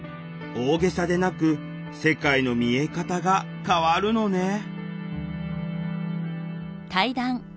大げさでなく世界の見え方が変わるのね